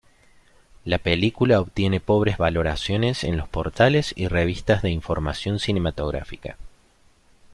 La película obtiene pobres valoraciones en los portales y revistas de información cinematográfica.